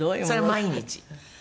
毎日？